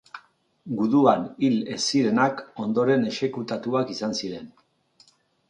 Guduan hil ez zirenak ondoren exekutatuak izan ziren.